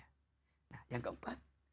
nah yang keempat